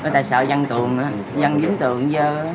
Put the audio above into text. tại sợ văn tường văn dính tường dơ